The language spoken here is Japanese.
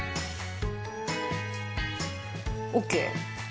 ＯＫ